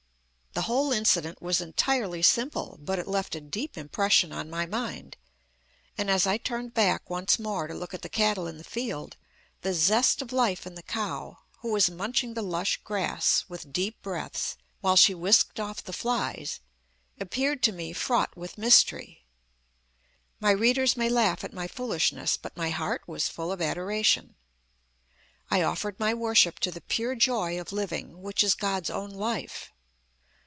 The whole incident was entirely simple, but it left a deep impression on my mind; and as I turned back once more to look at the cattle in the field, the zest of life in the cow, who was munching the lush grass with deep breaths, while she whisked off the flies, appeared to me fraught with mystery. My readers may laugh at my foolishness, but my heart was full of adoration. I offered my worship to the pure joy of living, which is God's own life.